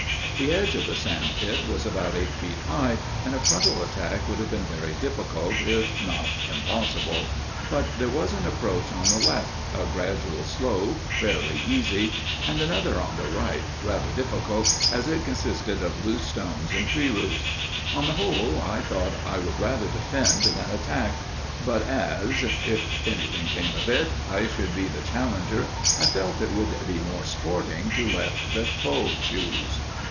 The edge of the sand pit was about eight feet high, and a frontal attack would have been very difficult, if not impossible; but there was an approach on the left a gradual slope, fairly easy and another on the right, rather difficult, as it consisted of loose stones and tree roots. On the whole, I thought I would rather defend than attack; but as, if anything came of it, I should be the challenger, I felt it would be more sporting to let the foe choose.